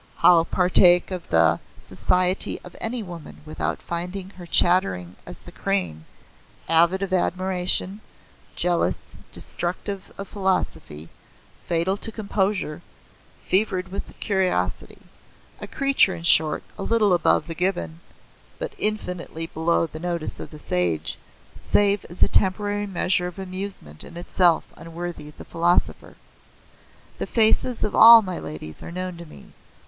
How partake of the society of any woman without finding her chattering as the crane, avid of admiration, jealous, destructive of philosophy, fatal to composure, fevered with curiosity; a creature, in short, a little above the gibbon, but infinitely below the notice of the sage, save as a temporary measure of amusement in itself unworthy the philosopher. The faces of all my ladies are known to me.